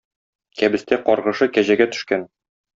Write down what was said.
Кәбестә каргышы кәҗәгә төшкән.